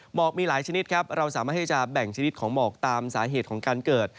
หมอกมีหลายชนิดครับเราสามารถที่จะแบ่งชนิดของหมอกตามสาเหตุของการเกิด